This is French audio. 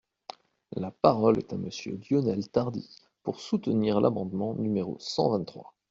La parole est à Monsieur Lionel Tardy, pour soutenir l’amendement numéro cent vingt-trois.